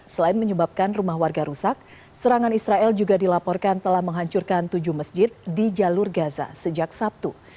selain menyebabkan rumah warga rusak serangan israel juga dilaporkan telah menghancurkan tujuh masjid di jalur gaza sejak sabtu